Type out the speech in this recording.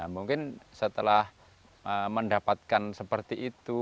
mungkin setelah mendapatkan seperti itu